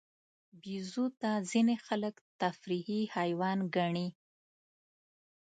بیزو ته ځینې خلک تفریحي حیوان ګڼي.